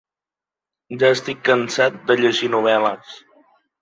Ja estic cansat de llegir novel·les.